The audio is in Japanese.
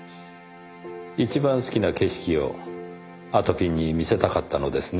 一番好きな景色をあとぴんに見せたかったのですね。